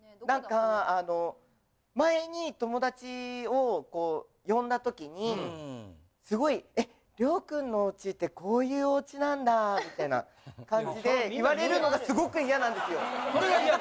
なんかあの前に友達を呼んだときにすごい「えっ諒君のおうちってこういうおうちなんだ」みたいな感じで言われるのがすごくイヤなんですよ。